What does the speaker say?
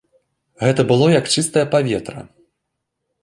Гэта было як чыстае паветра.